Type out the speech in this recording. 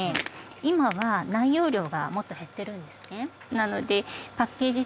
今は内容量がもっと減ってるんですね。